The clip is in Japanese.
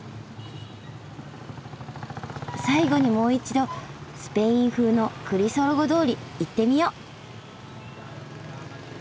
最後にもう一度スペイン風のクリソロゴ通り行ってみよう。